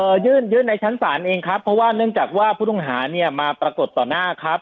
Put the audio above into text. ยื่นยื่นในชั้นศาลเองครับเพราะว่าเนื่องจากว่าผู้ต้องหาเนี่ยมาปรากฏต่อหน้าครับ